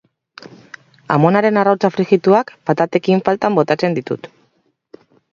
Amonaren arrautza frijituak patatekin faltan botatzen ditut.